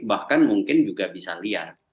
bahkan mungkin juga bisa lihat